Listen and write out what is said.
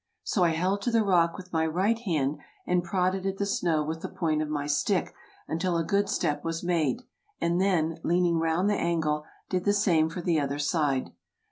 So I held to the rock with my right hand, and prodded at the snow with the point of my stick until a good step was made, and then, leaning round the angle, did the same for the other side.